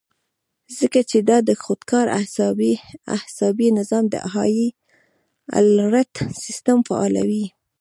ځکه چې دا د خودکار اعصابي نظام د هائي الرټ سسټم فعالوي